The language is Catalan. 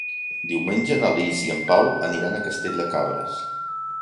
Diumenge na Lis i en Pau aniran a Castell de Cabres.